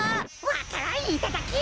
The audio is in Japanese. わか蘭いただき！